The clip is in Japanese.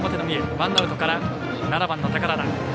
ワンアウトから７番の寳田。